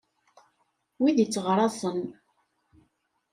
Wid itteɣraṣen.